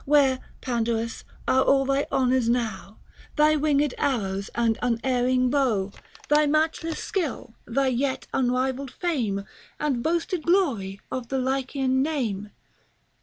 Where, Pandarus, are all thy honors now, Thy winged arrows and unerring bow, Thy matchless skill, thy yet unrivall'd fame, And boasted glory of the Lycian natne.